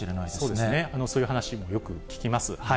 そうですね、そういう話もよく聞きます。